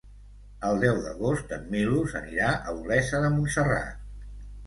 El deu d'agost en Milos anirà a Olesa de Montserrat.